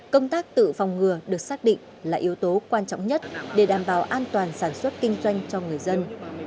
công tác tự phòng ngừa được xác định là yếu tố quan trọng nhất để đảm bảo an toàn sản xuất kinh doanh cho người dân